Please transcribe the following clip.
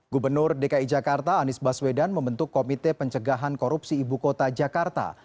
gubernur dki jakarta anies baswedan membentuk komite pencegahan korupsi ibu kota jakarta